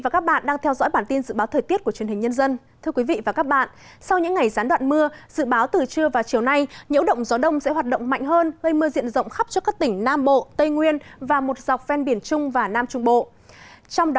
các bạn hãy đăng ký kênh để ủng hộ kênh của chúng mình nhé